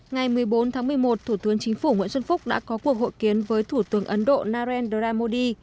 ngày một mươi bốn tháng một mươi một thủ tướng chính phủ nguyễn xuân phúc đã có cuộc hội kiến với thủ tướng ấn độ narendra modi